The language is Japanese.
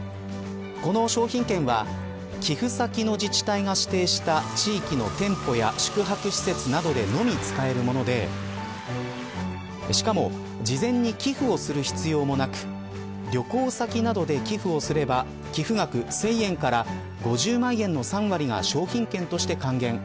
この商品券は寄付先の自治体が指定した地域の店舗や宿泊施設などでのみ使えるものでしかも事前に寄付をする必要もなく旅行先などで寄付をすれば寄付額１０００円から５０万円の３割が商品券として還元。